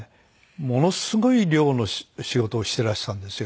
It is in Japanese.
ものすごい量の仕事をしてらしたんですよ。